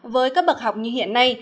với các bậc học như hiện nay